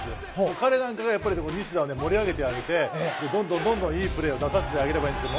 彼なんかが西田を盛り上げてあげてどんどんいいプレーを出させてあげればいいです。